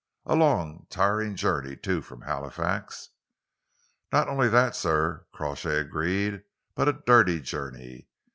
"A long, tiring journey, too, from Halifax." "Not only that, sir," Crawshay agreed, "but a dirty journey.